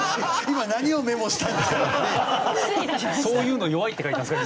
「そういうの弱い」って書いたんですか？